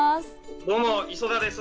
どうも磯田です。